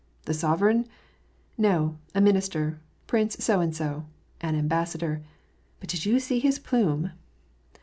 " The sovereign ?"" No, a minister. "" Prince so and so." " An ambassador." '' But did you see his plume